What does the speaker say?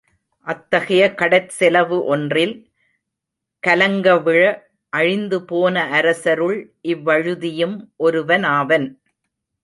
அத்தகைய கடற்செலவு ஒன்றில், கலங் கவிழ, அழிந்துபோன அரசருள் இவ்வழுதியும் ஒருவனாவன்.